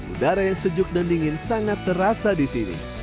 udara yang sejuk dan dingin sangat terasa di sini